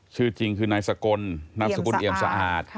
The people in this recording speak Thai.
ชื่อจริงคือนายสกลนามสกุลเอี่ยมสะอาด